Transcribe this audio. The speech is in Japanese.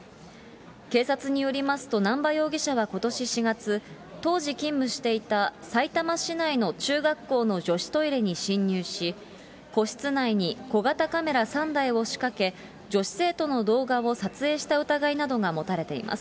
警察によりますと、難波容疑者はことし４月、当時勤務していたさいたま市内の中学校の女子トイレに侵入し、個室内に小型カメラ３台を仕掛け、女子生徒の動画を撮影した疑いなどが持たれています。